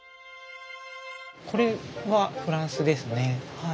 これはフランスですね。